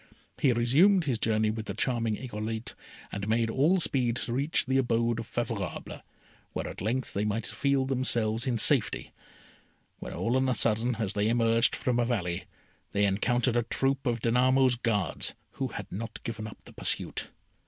He resumed his journey with the charming Irolite, and made all speed to reach the abode of Favourable, where at length they might feel themselves in safety, when all on a sudden, as they emerged from a valley, they encountered a troop of Danamo's guards, who had not given up the pursuit.